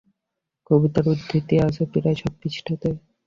কবিতার উদ্ধৃতি আছে প্রায় সব পৃষ্ঠাতেই।